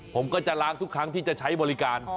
ผมก็จะล้างทุกครั้งที่จะใช้บริการ